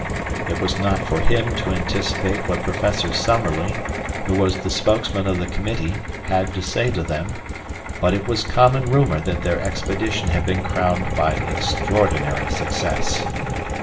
It was not for him to anticipate what Professor Summerlee, who was the spokesman of the committee, had to say to them, but it was common rumor that their expedition had been crowned by extraordinary success.'